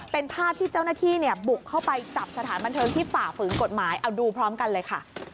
เป็นภาพที่เจ้าหน้าที่บุกเข้าไปจับสถานบันเทิงที่ฝ่าฝืนกฎหมายเอาดูพร้อมกันเลยค่ะ